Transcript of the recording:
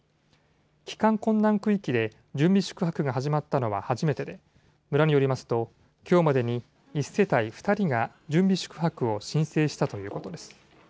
帰還困難区域で準備宿泊が始まったのは初めてで村によりますときょうまでに１世帯２人が準備宿泊を申請したということです。